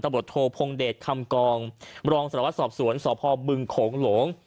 สะบดโทพงเดชคำกองรองสลวัสดิ์สอบสวนสอบภอมบึงโขงหลง